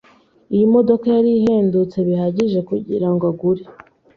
Iyi modoka yari ihendutse bihagije kugirango agure.